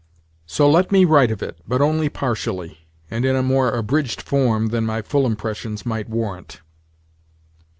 So let me write of it, but only partially, and in a more abridged form than my full impressions might warrant.